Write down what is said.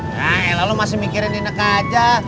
nah elah lu masih mikirin ineke aja